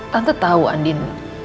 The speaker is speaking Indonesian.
tante tahu andin